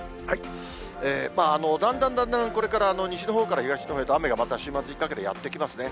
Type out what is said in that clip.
だんだんだんだん、これから、西のほうから東のほうへと雨がまた週末にかけてやって来ますね。